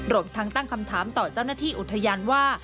รวมทั้งตั้งคำถามต่อเจ้าหน้าที่อุทยานว่า